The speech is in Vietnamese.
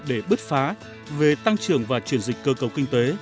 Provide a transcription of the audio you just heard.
để bứt phá về tăng trưởng và chuyển dịch cơ cấu kinh tế